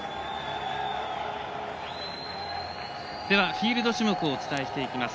フィールド種目をお伝えしていきます。